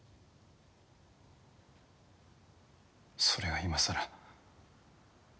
それが今更。